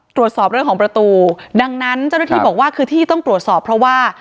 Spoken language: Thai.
ตรวจสอบเรื่องของประตูดังนั้นเจ้าหน้าที่บอกว่าคือที่ต้องตรวจสอบเพราะว่า